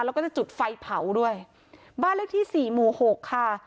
แล้วก็จะจุดไฟเผาด้วยบ้านเลขที่สี่หมู่หกค่ะ